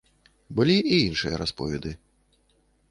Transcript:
Былі і іншыя расповеды.